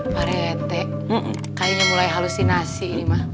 pak rt kayaknya mulai halusinasi ini ma